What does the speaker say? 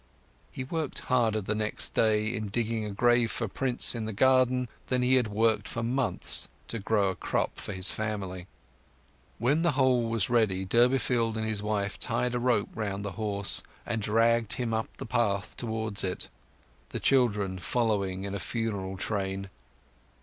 He worked harder the next day in digging a grave for Prince in the garden than he had worked for months to grow a crop for his family. When the hole was ready, Durbeyfield and his wife tied a rope round the horse and dragged him up the path towards it, the children following in funeral train.